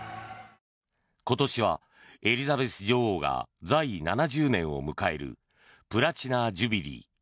今年はエリザベス女王が在位７０年を迎えるプラチナジュビリー。